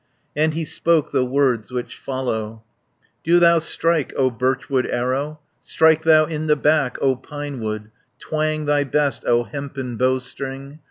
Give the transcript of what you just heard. And he spoke the words which follow: "Do thou strike, O birchwood arrow, Strike thou in the back, O pinewood. Twang thy best, O hempen bowstring!